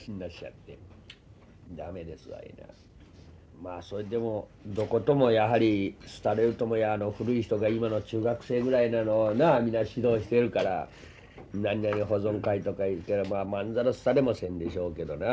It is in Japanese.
まあそれでもどこともやはり廃れるとこや古い人が今の中学生ぐらいなのを皆指導してるから何々保存会とか言ってればまんざら廃れもせんでしょうけどな。